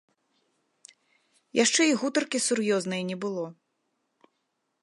Яшчэ і гутаркі сур'ёзнае не было.